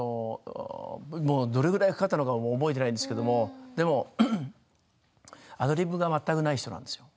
どれくらいかかったのかも覚えていないんですけれどアドリブが全くない人なんですよ。